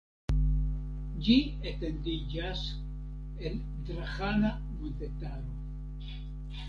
Ĝi etendiĝas en Drahana montetaro.